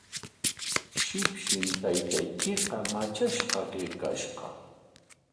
Shipshim taytaykiqa matrashqa kaykashqa.